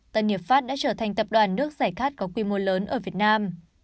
tân hiệp pháp đã trở thành tập đoàn nước giải khát có quy mô lớn ở việt nam